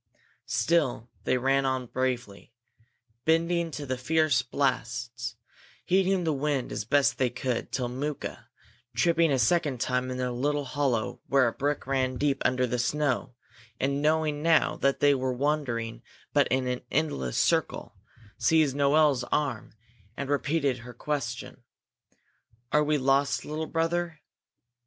Still they ran on bravely, bending to the fierce blasts, heading the wind as best they could, till Mooka, tripping a second time in a little hollow where a brook ran deep under the snow, and knowing now that they were but wandering in an endless circle, seized Noel's arm and repeated her question: "Are we lost, little brother?"